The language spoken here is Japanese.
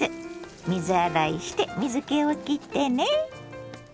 水洗いして水けをきってね。